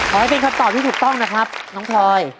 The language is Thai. ให้เป็นคำตอบที่ถูกต้องนะครับน้องพลอย